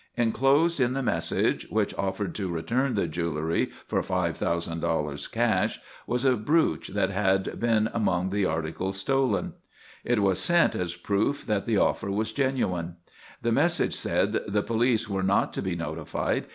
Enclosed in the message, which offered to return the jewelry for $5,000 cash, was a brooch that had been among the articles stolen. It was sent as proof that the offer was genuine. The message said the police were not to be notified.